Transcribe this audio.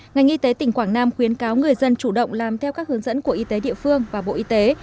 ngành y tế tỉnh quảng nam khuyến cáo người dân chủ động làm theo các hướng dẫn của y tế địa phương và bộ y tế